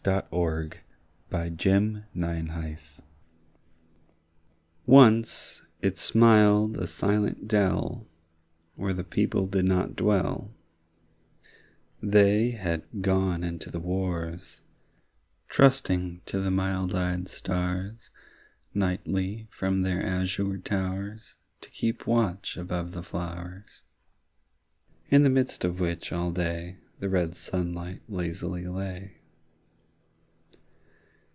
THE VALLEY OF UNREST Once it smiled a silent dell Where the people did not dwell; They had gone unto the wars, Trusting to the mild eyed stars, Nightly, from their azure towers, 5 To keep watch above the flowers, In the midst of which all day The red sunlight lazily lay.